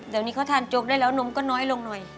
เดี๋ยวนี้เขาทานโจ๊กได้แล้วนมก็น้อยลงหน่อย